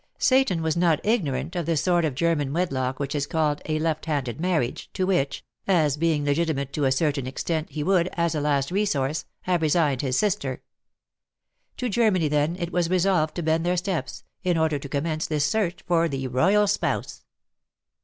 Seyton was not ignorant of the sort of German wedlock which is called a "left handed marriage," to which, as being legitimate to a certain extent, he would, as a last resource, have resigned his sister. To Germany, then, it was resolved to bend their steps, in order to commence this search for the royal spouse.